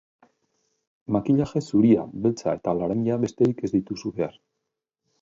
Makillaje zuria, beltza eta laranja besterik ez dituzu behar.